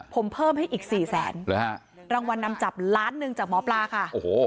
ผมเพิ่มให้อีกสี่แสนรางวัลนำจับล้านหนึ่งจากหมอปลาค่ะโอ้โห